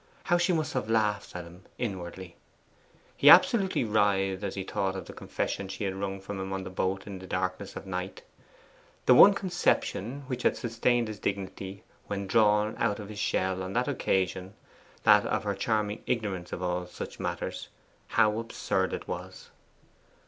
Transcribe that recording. How she must have laughed at him inwardly! He absolutely writhed as he thought of the confession she had wrung from him on the boat in the darkness of night. The one conception which had sustained his dignity when drawn out of his shell on that occasion that of her charming ignorance of all such matters how absurd it was!